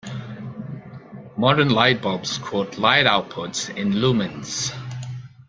Modern lightbulbs quote light output in lumens.